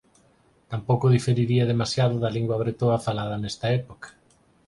Tampouco diferiría demasiado da lingua bretoa falada nesta época.